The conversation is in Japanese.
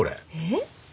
えっ？